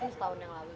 setahun yang lalu